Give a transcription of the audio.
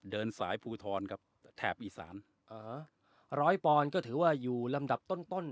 เดินสายภูทรกับแถบอีสานเอ่อร้อยปอนด์ก็ถือว่าอยู่ลำดับต้นต้น